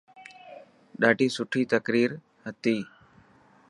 ڏاڌي سٺي تقرير هتي.